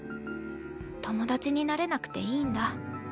友達になれなくていいんだ。